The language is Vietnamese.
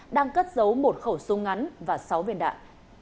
đang cất giấu một khẩu súng ngắn và sáu viên đạn